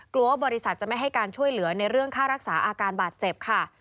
ว่าบริษัทจะไม่ให้การช่วยเหลือในเรื่องค่ารักษาอาการบาดเจ็บค่ะ